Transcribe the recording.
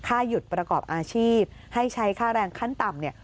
หยุดประกอบอาชีพให้ใช้ค่าแรงขั้นต่ำเนี่ย